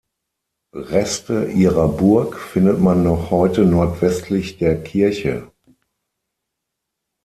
Reste ihrer Burg findet man noch heute nordwestlich der Kirche.